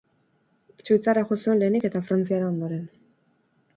Suitzara jo zuen lehenik eta Frantziara ondoren.